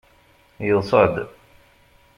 Yeḍsa-d.